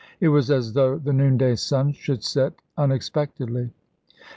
It was as though the noonday sun should set unexpectedly.